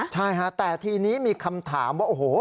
ใช่ฮะแต่ทีนี้มีคำถามว่าโอ้โห